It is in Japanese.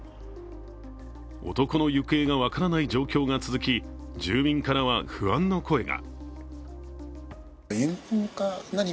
男の行方が分からない状況が続き、住民からは不安の声が。